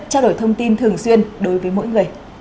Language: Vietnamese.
trao đổi thông tin thường xuyên đối với mỗi người